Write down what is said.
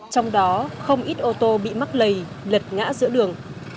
trong đó không ít ô tô bị mắc lầy lật ngã giữa đường